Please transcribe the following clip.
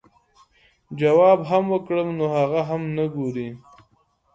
جواب هم وکړم نو هغه هم نۀ ګوري -